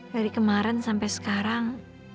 dari kemarin sampai sekarang